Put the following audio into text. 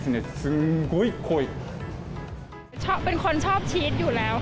すごい濃い！